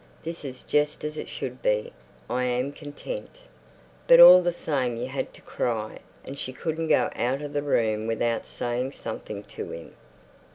This is just as it should be. I am content. But all the same you had to cry, and she couldn't go out of the room without saying something to him.